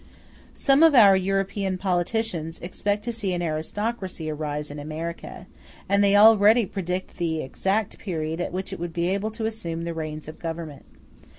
Some of our European politicians expect to see an aristocracy arise in America, and they already predict the exact period at which it will be able to assume the reins of government.